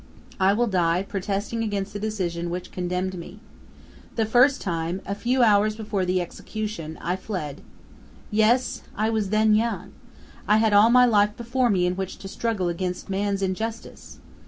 "I will die protesting against the decision which condemned me! The first time, a few hours before the execution I fled! Yes! I was then young. I had all my life before me in which to struggle against man's injustice!